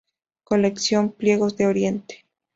Colección: Pliegos de Oriente.